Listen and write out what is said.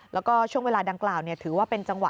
แล้วก็ช่วงเวลาดังกล่าวถือว่าเป็นจังหวะ